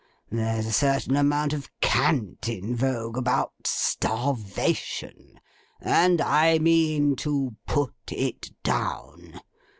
There's a certain amount of cant in vogue about Starvation, and I mean to Put it Down.